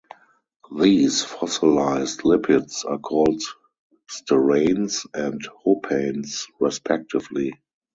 These fossilized lipids are called steranes and hopanes, respectively.